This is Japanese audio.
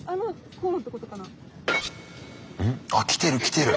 うん？あっ来てる来てる。